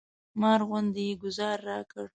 مار غوندې یې ګوزار راکړ.